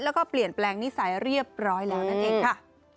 แล้วก็เปลี่ยนแปลงนิสัยเรียบร้อยแล้วนั่นเองค่ะ